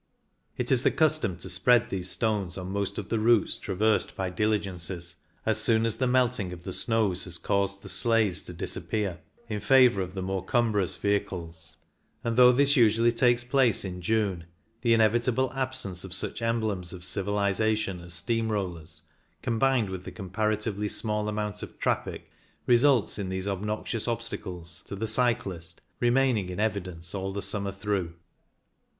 It is the custom to spread these stones, on most of the routes traversed by diligences, as soon as the THE FURKA 123 melting of the snows has caused the sleighs to disappear in favour of the more cum brous vehicles ; and though this usually takes place in June, the inevitable absence of such emblems of civilization as steam rollers, combined with the comparatively small amount of traffic, results in these obnoxious obstacles — to the cyclist — re maining in evidence all the summer through.